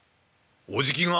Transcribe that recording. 「おじきが？